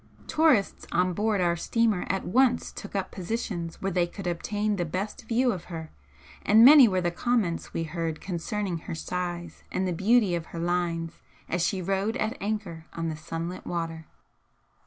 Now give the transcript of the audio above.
Tourists on board our steamer at once took up positions where they could obtain the best view of her, and many were the comments we heard concerning her size and the beauty of her lines as she rode at anchor on the sunlit water.